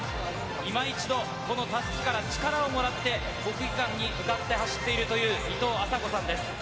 今一度、このたすきから力をもらって、国技館に向かって走っているという、いとうあさこさんです。